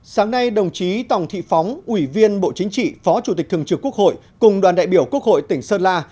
sáng nay đồng chí tòng thị phóng ủy viên bộ chính trị phó chủ tịch thường trực quốc hội cùng đoàn đại biểu quốc hội tỉnh sơn la